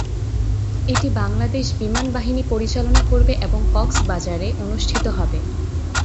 এটি বাংলাদেশ বিমানবাহিনী পরিচালনা করবে এবং কক্সবাজারে অনুষ্ঠিত হবে।